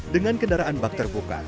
dengan kendaraan bak terbuka